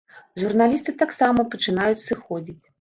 Журналісты таксама пачынаюць сыходзіць.